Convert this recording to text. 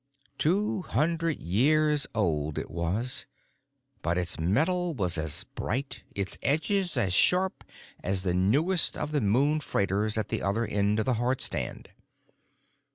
Two hundred years old it was; but its metal was as bright, its edges as sharp, as the newest of the moon freighters at the other end of the hardstand.